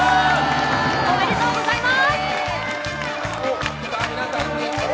おめでとうございます！